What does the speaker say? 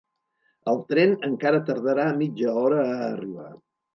El tren encara tardarà mitja hora a arribar.